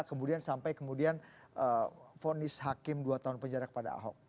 kemudian sampai kemudian fonis hakim dua tahun penjara kepada ahok